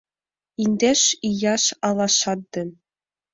Индеш ияш алашат ден